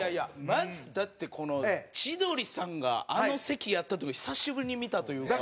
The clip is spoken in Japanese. まずだってこの千鳥さんがあの席やった久しぶりに見たというか。